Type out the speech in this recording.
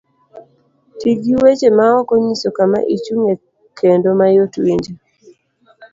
Ti gi weche maok onyiso kama ichung'ye kendo mayot winjo.